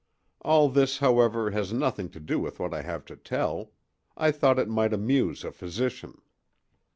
All this, however, has nothing to do with what I have to tell; I thought it might amuse a physician.